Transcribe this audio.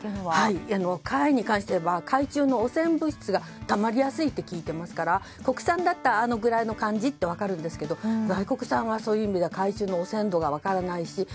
私、貝に関しては海中の汚染物質がたまりやすいって聞いていますから国産だったら、あのくらいの感じって分かるんですけど外国産はそういう意味で海中の汚染度が分からないし